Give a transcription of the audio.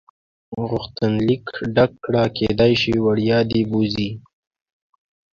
غوښتنلیک ډک کړه کېدای شي وړیا دې بوځي.